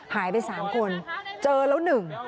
หายไป๓คนเจอแล้ว๑